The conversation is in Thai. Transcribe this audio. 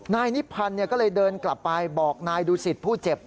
นายนิพันธ์ก็เลยเดินกลับไปบอกนายดูสิตผู้เจ็บ